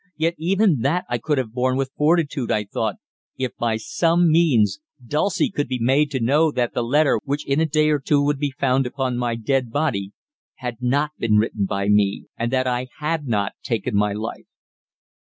Yet even that I could have borne with fortitude, I thought, if by some means Dulcie could be made to know that the letter which in a day or two would be found upon my dead body had not been written by me, and that I had not taken my life.